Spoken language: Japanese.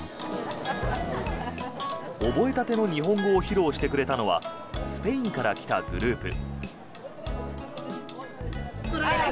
覚えたての日本語を披露してくれたのはスペインから来たグループ。